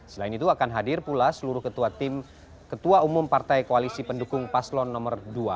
selain itu akan hadir pula seluruh ketua tim ketua umum partai koalisi pendukung paslon nomor dua